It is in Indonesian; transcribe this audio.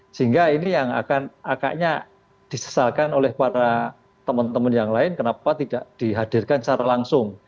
sehingga ini yang akan akaknya disesalkan oleh para teman teman yang lain kenapa tidak dihadirkan secara langsung